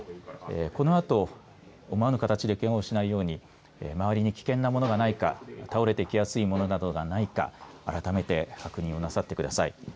このあと思わぬ形でけがをしないように周りに危険なものがないか倒れてきやすいものなどはないか改めて確認をなさってください。